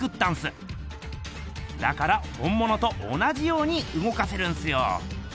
だから本ものと同じようにうごかせるんすよ。